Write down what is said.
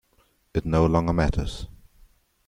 It no longer matters.